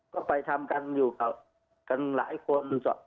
ก็ไปทำกันอยู่กับกันหลายคน